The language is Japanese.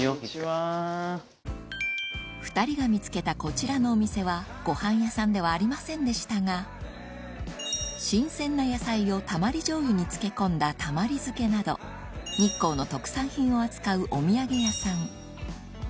２人が見つけたこちらのお店はごはん屋さんではありませんでしたが新鮮な野菜をたまりじょうゆに漬け込んだたまり漬けなど日光の特産品を扱うお土産屋さん